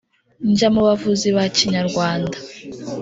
njya mu bavuzi ba kinyarwanda